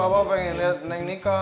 abah pengen lihat neng nikah